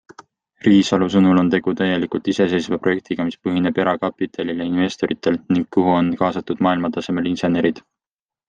Riisalu sõnul on tegu täielikult iseseiseva projektiga, mis põhineb erakapitalil ja investoritel ning kuhu on kaasatud maailmatasemel insenerid.